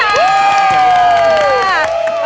สวัสดีค่ะ